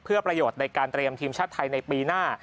เพื่อประโยชน์ในการเตรียมทีมชาติไทยในปีหน้า